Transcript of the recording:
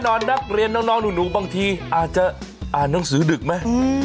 นอนนักเรียนน้องหนูบางทีอาจจะอ่านหนังสือดึกไหม